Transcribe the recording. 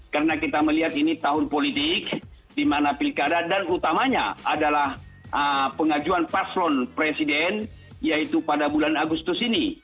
karena kita melihat ini tahun politik di mana pilkada dan utamanya adalah pengajuan paslon presiden yaitu pada bulan agustus ini